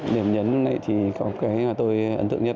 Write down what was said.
điểm nhấn này thì có cái tôi ấn tượng nhất